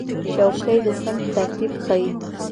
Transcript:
چوکۍ د صنف ترتیب ښیي.